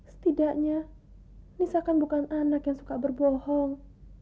setidaknya nisa kan bukan anak yang suka berbohong